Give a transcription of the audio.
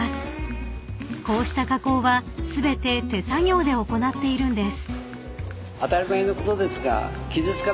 ［こうした加工は全て手作業で行っているんです］